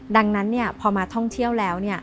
ดังนั้นพอมาท่องเที่ยวแล้ว